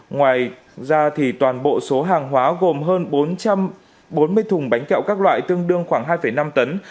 ngoài ra toàn bộ số hàng hóa gồm hơn bốn trăm bốn mươi thùng bánh kẹo các loại tương đương khoảng hai năm tấn